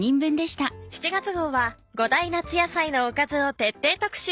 ７月号は５大夏野菜のおかずを徹底特集。